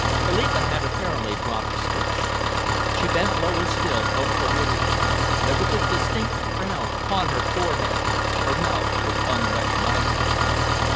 Philippa had apparently dropped a stitch. She bent lower still over her knitting. There was a distinct frown upon her forehead, her mouth was unrecognisable.